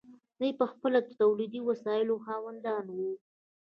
دوی پخپله د تولیدي وسایلو خاوندان وو.